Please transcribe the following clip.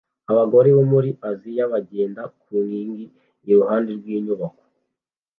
Abagore bo muri Aziya bagenda ku nkingi iruhande rwinyubako